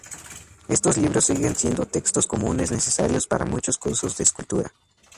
Estos libros siguen siendo textos comunes necesarios para muchos cursos de escultura.